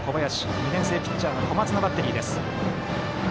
２年生ピッチャーの小松のバッテリーです。